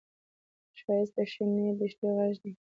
ښایست د شنې دښتې غږ دی